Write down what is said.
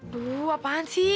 duh apaan sih